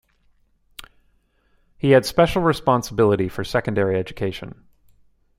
He had special responsibility for secondary education.